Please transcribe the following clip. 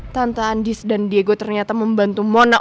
tante andis dan diego ternyata membantu mona